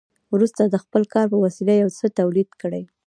وروسته د خپل کار په وسیله یو څه تولید کړي